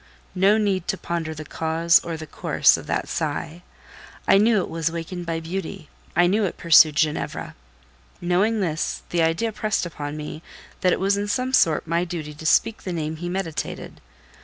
No need to ponder the cause or the course of that sigh; I knew it was wakened by beauty; I knew it pursued Ginevra. Knowing this, the idea pressed upon me that it was in some sort my duty to speak the name he meditated.